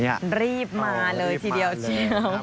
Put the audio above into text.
รีบมาเลยทีเดียว